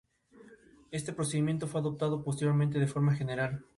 La cultura castreña tampoco se halla bien estudiada en este sector del occidente asturiano.